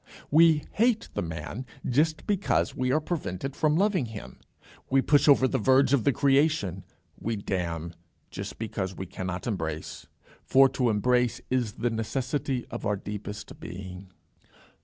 We hate the man just because we are prevented from loving him. We push over the verge of the creation we damn just because we cannot embrace. For to embrace is the necessity of our deepest being.